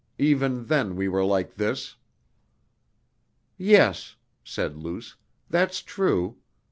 Even then we were like this...." "Yes," said Luce, "that's true.